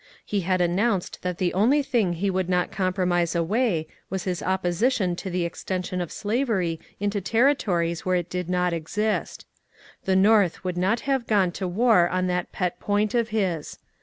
He had announced that the only thing he would not compromise away was his opposition to the extension of slavery into territories where it did not exist. The North would not have gone to war on that pet point of his.